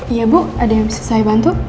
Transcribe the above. iya bu ada yang bisa saya bantu